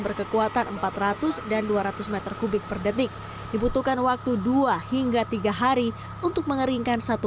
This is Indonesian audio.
berkekuatan empat ratus dan dua ratus m tiga per detik dibutuhkan waktu dua hingga tiga hari untuk mengeringkan satu